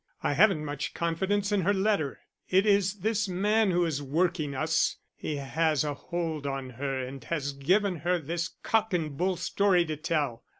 "I haven't much confidence in her letter. It is this man who is working us. He has a hold on her and has given her this cock and bull story to tell.